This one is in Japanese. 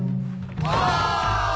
お！